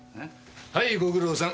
はいご苦労さん。